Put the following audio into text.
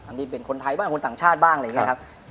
ที่เป็นคนไทยบ้างคนต่างชาติบ้างอะไรอย่างนี้ครับ